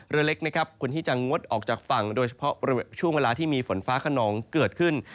เรือเล็กนะครับควรที่จะงดออกจากฝั่งโดยเฉพาะช่วงเวลาที่มีฝนฟ้าขนองเกิดขึ้น